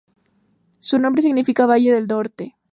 Su nombre significa ""valle del norte"".